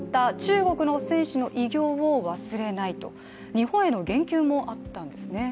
日本への言及もあったんですね。